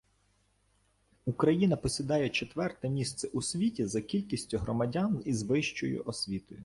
Україна посідає четверте місце у світі за кількістю громадян із вищою освітою